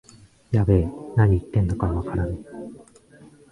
やべえ、なに言ってんのかわからねえ